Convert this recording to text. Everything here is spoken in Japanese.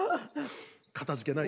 かたじけない。